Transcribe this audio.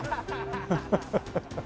ハハハハハ！